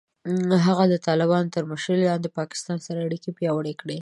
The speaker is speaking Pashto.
هغه د طالبانو تر مشرۍ لاندې د پاکستان سره اړیکې پیاوړې کړې.